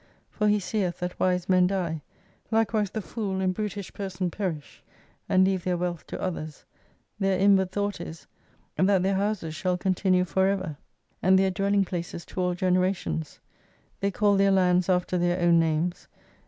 For he seeth that wisi men die, likewise the fool and brutish person perish, and leave their wealth to others. Their inward thought is, that their houses shall continue forever, and their dwelli?ig places 222 to all generations. They call their lands after their own names.